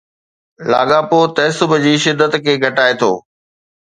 لاڳاپو تعصب جي شدت کي گھٽائي ٿو